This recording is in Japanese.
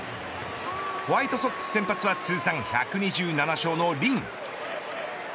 ホワイトソックス先発は通算１２７勝のリン。